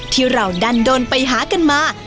ที่เราดันโดนไปหากันมา